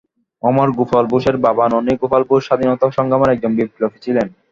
অমর গোপাল বোসের বাবা ননী গোপাল বোস স্বাধীনতা সংগ্রামের একজন বিপ্লবী ছিলেন।